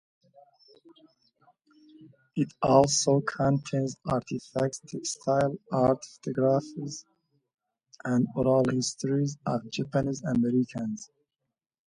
It also contains artifacts, textiles, art, photographs, and oral histories of Japanese Americans.